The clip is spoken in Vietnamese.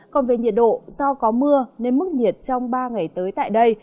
còn về nhiệt độ do có mưa nên mức nhiệt trong ba ngày tới tại đây